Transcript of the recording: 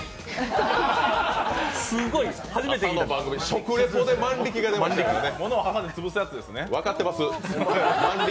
食リポで万力が出ましたからね。